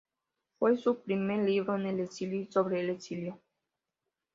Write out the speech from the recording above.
Ese fue su primer libro en el exilio y sobre el exilio.